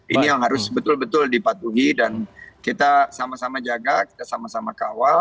ini yang harus betul betul dipatuhi dan kita sama sama jaga kita sama sama kawal